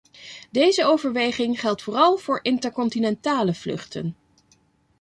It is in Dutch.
Deze overweging geldt vooral voor intercontinentale vluchten.